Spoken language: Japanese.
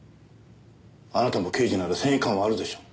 あなたも刑事なら正義感はあるでしょう。